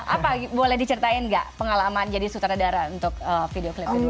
apa boleh diceritain nggak pengalaman jadi sutradara untuk video klip kedua